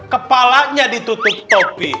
kepalanya ditutup topi